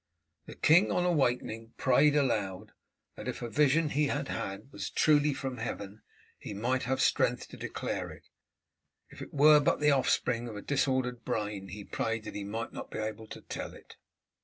The king on awakening prayed aloud, that if a vision he had had was truly from heaven he might have strength to declare it; if it were but the offspring of a disordered brain he prayed that he might not be able to tell it.